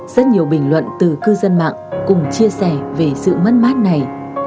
rất nhiều bình luận từ cư dân mạng cùng chia sẻ về sự mất mát này